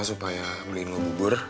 supaya beliin lo bubur